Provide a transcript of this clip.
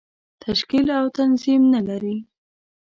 تشکیل او تنظیم نه لري.